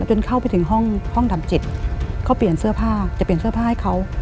จนเข้าไปถึงห้องดำ๗เขาเปลี่ยนเสื้อผ้าจะเปลี่ยนเสื้อผ้าให้เขา